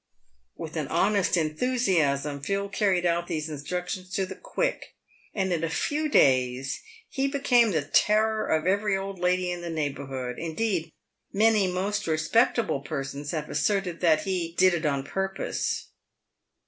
With an honest enthusiasm Phil carried out these instructions to the quick, and in a few days he became the terror of every old lady in the neighbourhood ; indeed, many most respectable persons have as serted that "he did it on purpose."